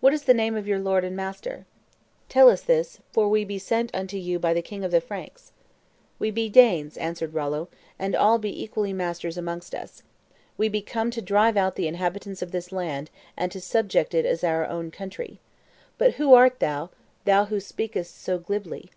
What is the name of your lord and master? Tell us this; for we be sent unto you by the king of the Franks." "We be Danes," answered Rollo, "and all be equally masters amongst us. We be come to drive out the inhabitants of this land, and to subject it as our own country. But who art thou, thou who speakest so glibly?"